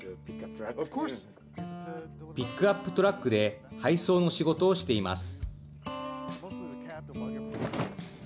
ピックアップトラックで配送の仕事をしています。